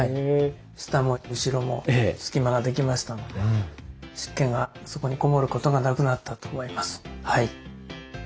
下も後ろも隙間ができましたので湿気がそこにこもることがなくなったと思います。